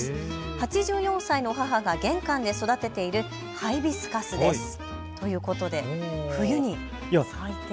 ８４歳の母が玄関で育てているハイビスカスです。ということで、冬に咲いている。